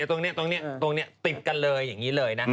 ตรงนี้ตรงนี้ติดกันเลยอย่างนี้เลยนะ